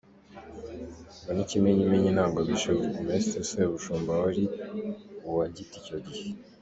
Ngo n´ikimenyimenyi ntago bishe Bourgmestre Sebushumba wari uwa Giti icyo gihe.